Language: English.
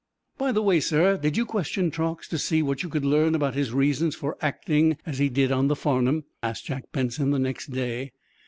"By the way, sir, did you question Truax to see what you could learn about his reasons for acting as he did on the 'Farnum'?" asked Jack Benson the next day.